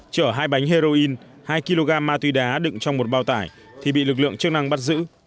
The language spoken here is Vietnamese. chở hai bánh heroin hai kg ma túy đá đựng trong một bao tải thì bị lực lượng chức năng bắt giữ